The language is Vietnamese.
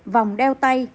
vòng đeo tay